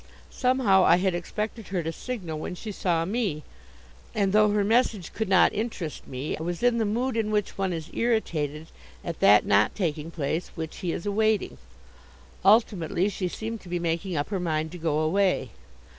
Somehow I had expected her to signal when she saw me, and, though her message could not interest me, I was in the mood in which one is irritated at that not taking place which he is awaiting. Ultimately she seemed to be making up her mind to go away.